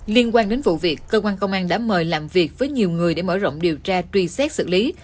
liên quan đến vụ việc cơ quan công an đã mời làm việc với nhiều người để mở rộng điều tra truy xét xử lý